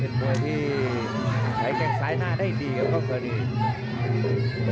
เล่นมวยที่ใช้แก่งสายหน้าได้ดีครับ